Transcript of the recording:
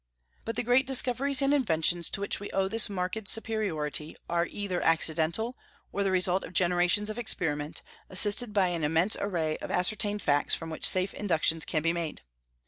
But the great discoveries and inventions to which we owe this marked superiority are either accidental or the result of generations of experiment, assisted by an immense array of ascertained facts from which safe inductions can be made.